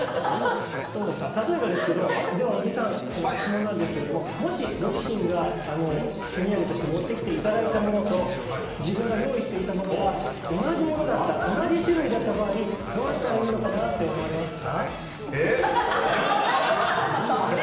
例えば、小木さん質問なんですけどももしご自身が手土産として持ってきていただいたものと自分が用意していたものが同じ種類だった場合どうしたらいいと思われますか。